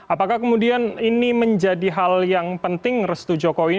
apakah kemudian ini menjadi hal yang penting restu jokowi